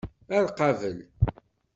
Ar qabel!